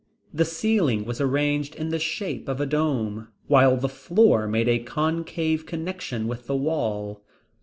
The ceiling was arranged in the shape of a dome, while the floor made a concave connection with the wall.